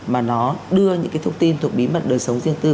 mà nó đưa những cái thông tin thuộc bí mật đời sống riêng tư